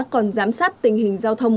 còn giám sát tình hình giao thông